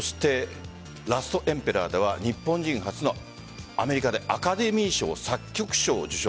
「ラストエンペラー」では日本人初のアメリカでアカデミー賞作曲賞を受賞。